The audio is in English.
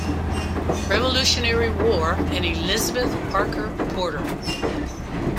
Revolutionary War, and Elizabeth Parker Porter.